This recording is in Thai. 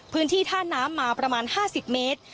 พื้นที่ท่าน้ำมาประมาณ๕๐เมตร